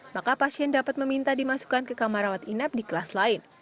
maka pasien dapat meminta dimasukkan ke kamar rawat inap di kelas lain